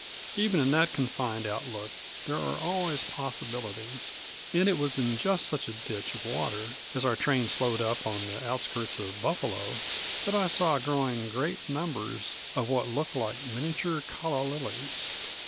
Even in that confined outlook there are always possibilities; and it was in just such a ditch of water, as our train slowed up on the outskirts of Buffalo, that I saw growing great numbers of what looked like miniature calla lilies.